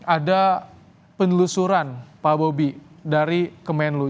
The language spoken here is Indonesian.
ada penelusuran pak bobi dari kemenlu